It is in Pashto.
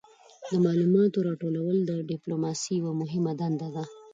د معلوماتو راټولول د ډیپلوماسي یوه مهمه دنده ده